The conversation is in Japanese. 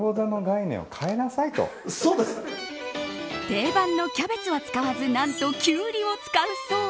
定番のキャベツは使わず何とキュウリを使うそう。